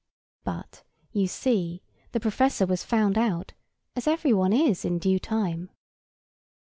But, you see the professor was found out, as every one is in due time.